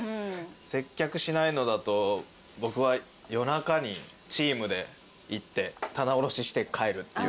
接客しないのだと僕は夜中にチームで行って棚卸しして帰るっていう。